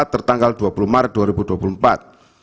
tertanggal dua puluh maret dua ribu dua puluh empat